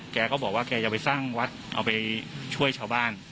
แกก็บอกว่าแกจะไปสร้างวัดเอาไปช่วยชาวบ้าน